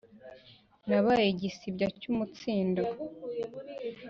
nabaye igisibya cy' umutsindo